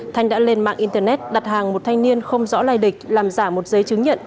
thanh đã lên mạng internet đặt hàng một thanh niên không rõ lai lịch làm giả một giấy chứng nhận